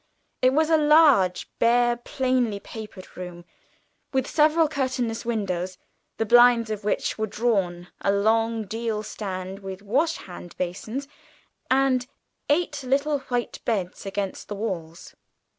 It was a large bare plainly papered room, with several curtainless windows, the blinds of which were drawn, a long deal stand of wash hand basins, and eight little white beds against the walls.